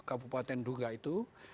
kabupaten dunga itu